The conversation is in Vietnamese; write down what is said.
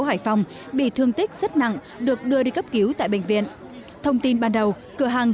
hải phòng bị thương tích rất nặng được đưa đi cấp cứu tại bệnh viện thông tin ban đầu cửa hàng